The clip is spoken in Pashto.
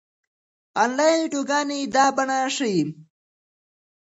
انلاين ويډيوګانې دا بڼه ښيي.